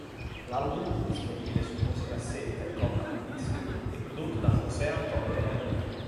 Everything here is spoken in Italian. L'album, disponibile su musicassetta e compact disc, è prodotto da José Antonio Romero.